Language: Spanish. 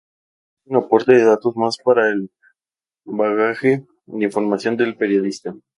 Es un aporte de datos más para el bagaje de información del periodista.